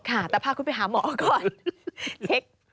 ค่ะแต่พาคุณไปหาหมอก่อนเล็ก